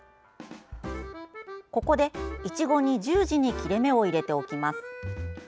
ここで、いちごに十字に切れ目を入れておきます。